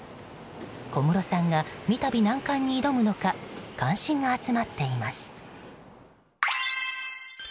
小室さんが三度難関に挑むのか関心が集まっています。